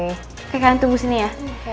oke kalian tunggu sini ya